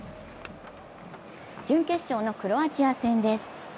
準決勝のクロアチア戦です。